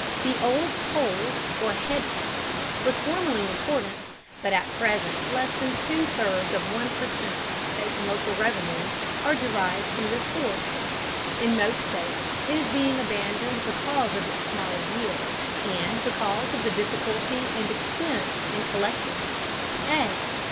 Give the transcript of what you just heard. The old "poll" or head tax was formerly important, but at present less than two thirds of one per cent of state and local revenues are derived from this source. In most states it is being abandoned because of its small yield, and because of the difficulty and expense in collecting it. A.